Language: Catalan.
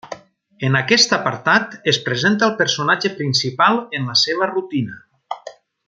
En aquest apartat es presenta el personatge principal en la seva rutina.